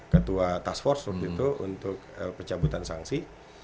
ketua task force waktu itu untuk pecah butan sanksi